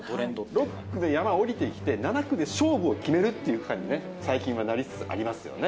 ６区で山を下りてきて、７区で勝負を決めるっていう区間に、最近はなりつつありますよね。